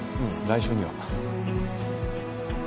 来週には。